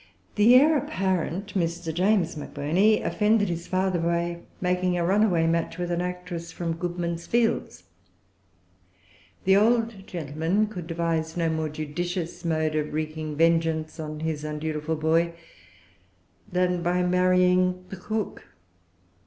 The heir apparent, Mr. James Macburney, offended his father by making a runaway match with an actress from Goodman's Fields. The old gentleman could devise no more judicious mode of wreaking vengeance on his undutiful boy than by marrying the cook.